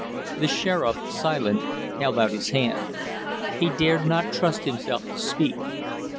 The sheriff, silent, held out his hand. He dared not trust himself to speak.